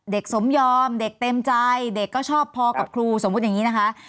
สมยอมเด็กเต็มใจเด็กก็ชอบพอกับครูสมมุติอย่างนี้นะคะ